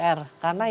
karena yang terakhir